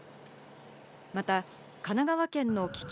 また神奈川県の危機